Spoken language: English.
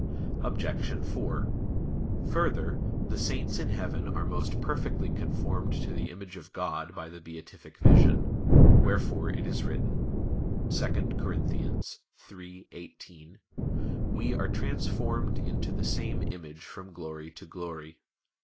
Obj. 4: Further, the saints in heaven are most perfectly conformed to the image of God by the beatific vision; wherefore it is written (2 Cor. 3:18): "We ... are transformed into the same image from glory to glory."